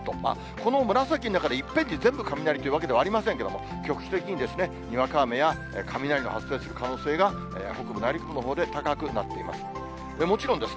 この紫の中で、いっぺんに全部雷というわけではありませんけれども、局地的ににわか雨や雷の発生する可能性が北部、内陸部のほうで高くなっています。